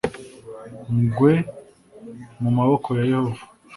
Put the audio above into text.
ngwe mu maboko ya Yehova